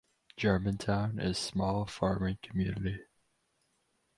Germantown is small farming community.